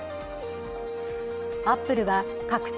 アップルは拡張